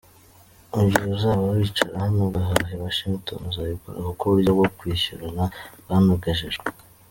Mu gihe uzaba wicara hano ugahaha i Washington uzabikora kuko uburyo bwo kwishyurana bwanogejwe.